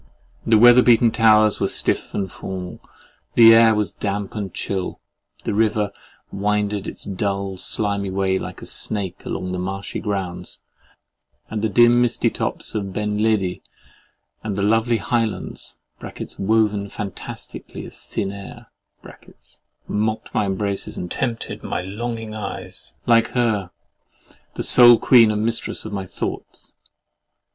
The weather beaten towers were stiff and formal: the air was damp and chill: the river winded its dull, slimy way like a snake along the marshy grounds: and the dim misty tops of Ben Leddi, and the lovely Highlands (woven fantastically of thin air) mocked my embraces and tempted my longing eyes like her, the sole queen and mistress of my thoughts!